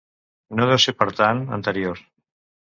No deu ser per tant, anterior.